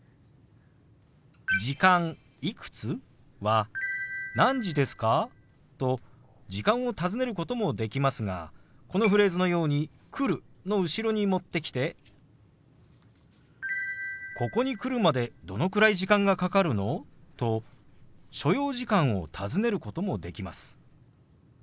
「時間いくつ？」は「何時ですか？」と時間を尋ねることもできますがこのフレーズのように「来る」の後ろに持ってきて「ここに来るまでどのくらい時間がかかるの？」と所要時間を尋ねることもできます。